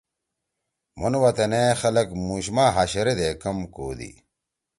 مُھون وطنے خلگ مُوش ما ہاشَرے دے کم کودی۔